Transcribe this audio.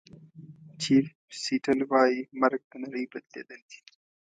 چیف سیټل وایي مرګ د نړۍ بدلېدل دي.